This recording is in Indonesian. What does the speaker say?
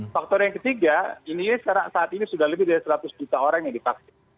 faktor yang ketiga ini saat ini sudah lebih dari seratus juta orang yang divaksin